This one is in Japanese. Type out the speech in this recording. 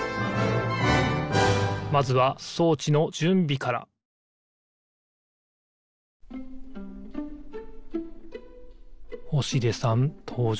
まずは装置のじゅんびから星出さんとうじょうです。